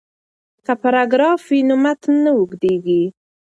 که پاراګراف وي نو متن نه اوږدیږي.